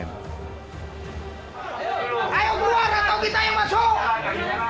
ayo keluar atau kita yang masuk